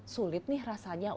sulit nih rasanya untuk mencapresi